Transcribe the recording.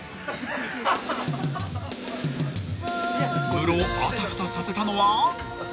［ムロをあたふたさせたのは］